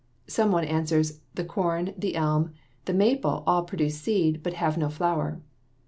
Some one answers, "The corn, the elm, and the maple all produce seed, but have no flower."